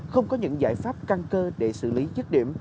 không có những giải pháp căng cơ để xử lý dứt điểm